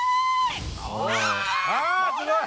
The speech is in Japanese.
あっすごい！